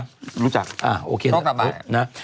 รู้จักโรคระบาด